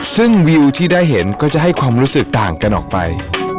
ซึ่งวิวที่ได้เห็นก็จะให้ความรู้สึกต่างกันออกไป